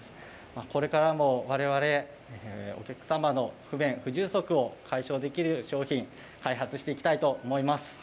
これからも我々お客様の不便、不充足を解消できる商品開発していきたいと思っています。